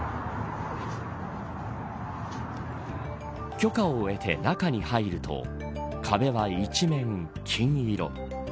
許可を得て中に入ると壁は一面金色。